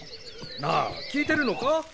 なあ聞いてるのか？